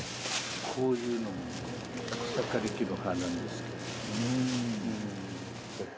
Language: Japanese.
こういうのも草刈り機の刃なんですけど。